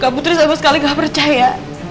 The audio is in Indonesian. gak putri sama sekali gak percaya